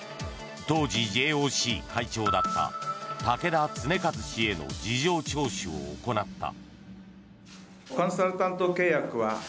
当時、ＪＯＣ会長だった竹田恒和氏への事情聴取を行った。